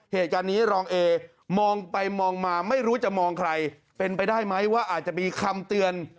เหตุการณ์นี้รองเอมองไปมองมาไม่รู้จะมองใครเป็นไปได้ไหมว่าอาจจะมีคำเตือน